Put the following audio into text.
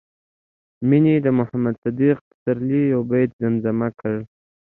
مينې د محمد صديق پسرلي يو بيت زمزمه کړ